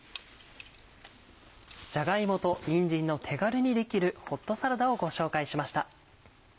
じゃが芋とにんじんの手軽にできるホットサラダをご紹介しました。